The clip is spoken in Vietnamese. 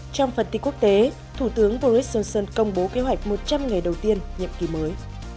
trong phần tin quốc tế thủ tướng boris johnson công bố kế hoạch một trăm linh ngày đầu tiên nhậm kỳ mới